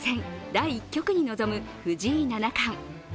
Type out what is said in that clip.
第１局に臨む藤井七冠。